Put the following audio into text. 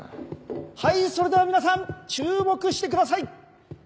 はいそれでは皆さん注目してください！